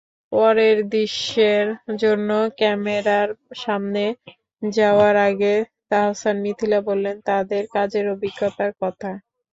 পরের দৃশ্যের জন্য ক্যামেরার সামনে যাওয়ার আগে তাহসান-মিথিলা বললেন তাঁদের কাজের অভিজ্ঞতার কথা।